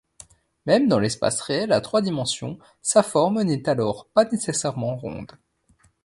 Même dans l'espace réel à trois dimensions, sa forme n'est alors pas nécessairement ronde.